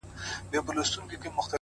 • چي سرسایې او عالمانو ته خیرات ورکوي ,